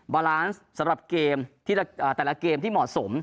บาลานซ์สำหรับเกมแต่ละเกมที่เหมาะสม